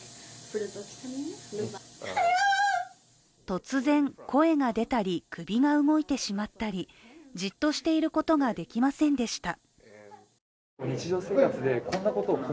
突然、声が出たり、首が動いてしまったりじっとしていることができませんでした。